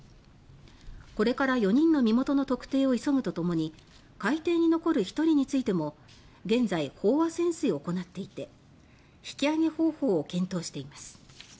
これから４人の身元の特定を急ぐとともに海底に残る１人についても現在、飽和潜水を行っていて引きあげ方法を検討しています。